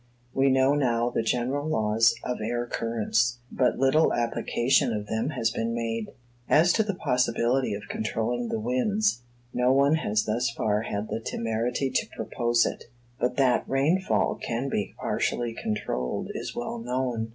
We know now the general laws of air currents, but little application of them has been made. As to the possibility of controlling the winds, no one has thus far had the temerity to propose it. But that rainfall can be partially controlled is well known.